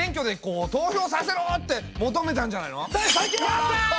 やった！